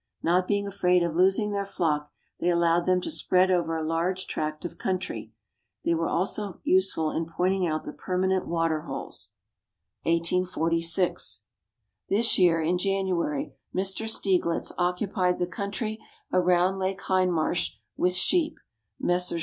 Not being afraid of losing their flock, they allowed them to spread over a large tract of country. They were also useful in pointing out the permanent water holes. 1846. This year, in January, Mr. Steiglitz occupied the country around Lake Hindraarsh with sheep ; Messrs.